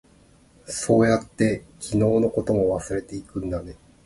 そうやって、昨日のことも忘れていくんだね。